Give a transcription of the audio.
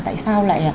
tại sao lại